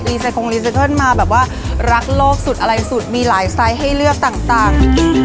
ไซโคงรีไซเคิลมาแบบว่ารักโลกสุดอะไรสุดมีหลายไซส์ให้เลือกต่าง